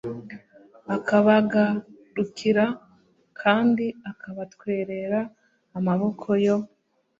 akabagarukira kandi akabatwerera amaboko yo